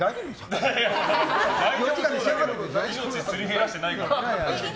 命すり減らしてないか。